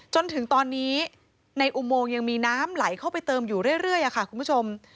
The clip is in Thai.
จนถึงตอนนี้ในอุโมงยังมีน้ำไหลเข้าไปเติมอยู่เรื่อยค่ะคุณผู้ชม